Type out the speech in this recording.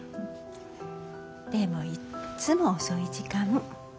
でもいっつも遅い時間。